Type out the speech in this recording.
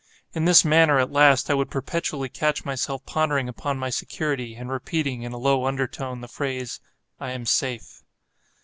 In this manner, at last, I would perpetually catch myself pondering upon my security, and repeating, in a low undertone, the phrase, "I am safe."